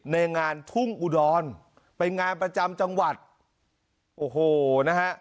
ในงานทุ่งอุดรไปงานประจำจังหวัดโอ้โหนะฮะ